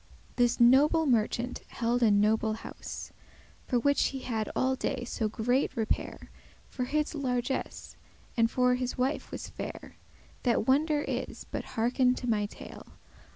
This noble merchant held a noble house; For which he had all day so great repair,* *resort of visitors For his largesse, and for his wife was fair, That wonder is; but hearken to my tale.